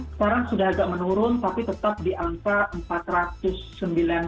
sekarang sudah agak menurun tapi tetap di angka empat ratus sembilan puluh